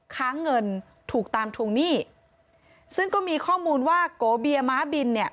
ค้างเงินถูกตามทวงหนี้ซึ่งก็มีข้อมูลว่าโกเบียม้าบินเนี่ย